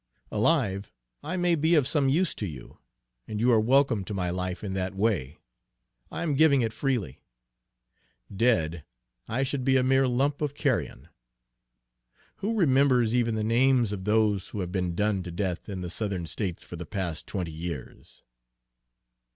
Alive, I may be of some use to you, and you are welcome to my life in that way, I am giving it freely. Dead, I should be a mere lump of carrion. Who remembers even the names of those who have been done to death in the Southern States for the past twenty years?"